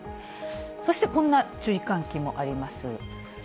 そしてこんな注意喚起もあります。